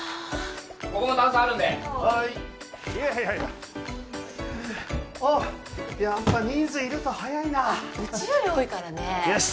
ここも段差あるんではーいいやいやいやおおやっぱ人数いると早いなうちより多いからねよし